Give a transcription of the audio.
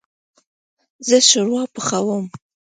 زه شوروا پخوم